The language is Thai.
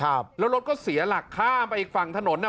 แล้วรถก็เสียหลักข้ามไปอีกฝั่งถนน